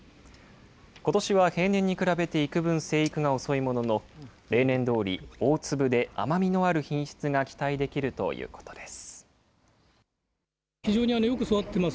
ことしは平年に比べていくぶん生育が遅いものの、例年どおり、大粒で甘みのある品質が期待できるということです。